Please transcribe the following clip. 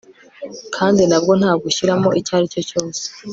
kandi nabwo ntabwo ushyiramo icyo ari cyo cyose